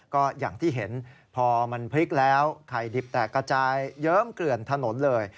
ก็อย่างที่เห็นพอมันพลิกแล้วไข่ดิบแตกกระจายเยิ้มเกลื่อนถนนเลย